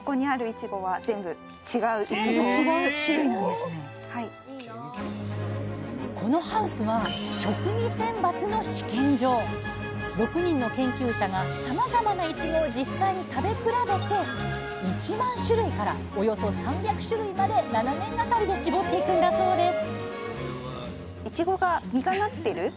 すごい！このハウスは６人の研究者がさまざまないちごを実際に食べ比べて１万種類からおよそ３００種類まで７年がかりで絞っていくんだそうです